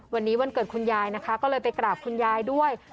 วันนี้วันเกิดคุณยายนะคะก็เลยไปกราบคุณยายด้วย